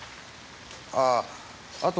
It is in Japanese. ああ